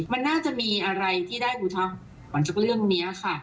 มันน่าจะมีอะไรที่ได้อุทธ์หลังจากเรื่องนี้ค่ะ